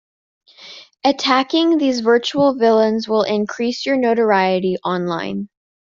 Attacking these virtual villains will increase your notoriety online.